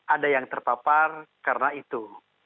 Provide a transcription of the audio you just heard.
ada yang terpapar karena itu